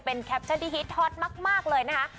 เป็นแคปชั่นที่ฮิตฮอตมากเลยนะคะ